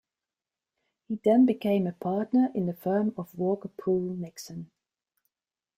He then became a partner in the firm of Walker Poole Nixon.